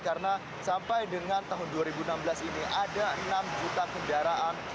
karena sampai dengan tahun dua ribu enam belas ini ada enam juta kendaraan